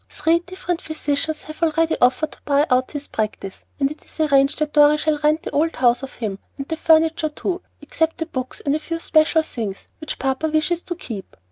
Three different physicians have already offered to buy out his practice, and it is arranged that Dorry shall rent the old house of him, and the furniture too, except the books and a few special things which papa wishes to keep.